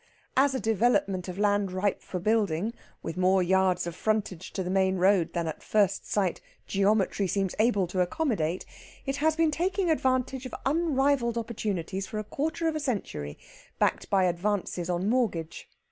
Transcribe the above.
As a development of land ripe for building, with more yards of frontage to the main road than at first sight geometry seems able to accommodate, it has been taking advantage of unrivalled opportunities for a quarter of a century, backed by advances on mortgage.